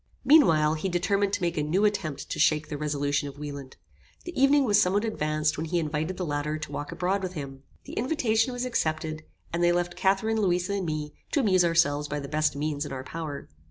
Meanwhile he determined to make a new attempt to shake the resolution of Wieland. The evening was somewhat advanced when he invited the latter to walk abroad with him. The invitation was accepted, and they left Catharine, Louisa and me, to amuse ourselves by the best means in our power.